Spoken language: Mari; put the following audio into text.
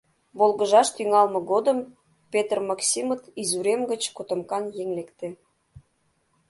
Волгыжаш тӱҥалме годым Петр Максимыт изурем гыч котомкан еҥ лекте.